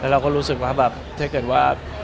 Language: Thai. เราก็รู้สึกว่าแบบถ้าเกิดว่า